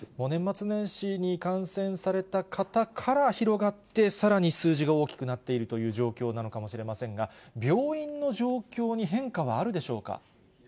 年末年始に感染された方から広がって、さらに数字が大きくなっているという状況なのかもしれませんが、病院の状況に変化はあるでしょうか。